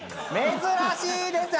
珍しいですね。